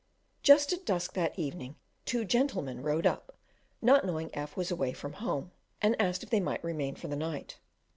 Just at dusk that evening, two gentlemen rode up, not knowing F was from home, and asked if they might remain for the night.